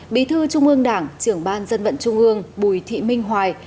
bí thư trung ương đảng trưởng ban dân vận trung ương bùi thị minh hoài